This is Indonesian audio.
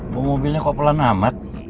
bu mobilnya kok pelan amat